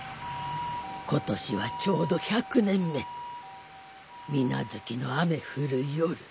今年はちょうど１００年目水無月の雨降る夜。